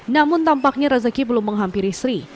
namun tampaknya rezeki belum menghampiri sri